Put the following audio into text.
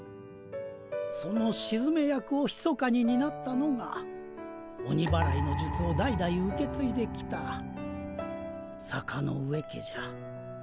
そのしずめ役をひそかにになったのが鬼祓いのじゅつを代々受けついできた坂ノ上家じゃ。